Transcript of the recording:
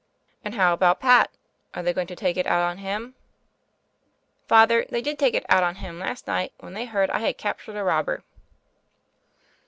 "And how about Fat? Are they going to take it out on him?" "Father, thev did take it out on him last niffht, when they heard I had captured a robber.'